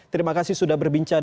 terima kasih sudah berbincang